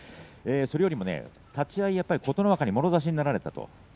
それよりも、立ち合いはやっぱり琴ノ若にもろ差しになられたと。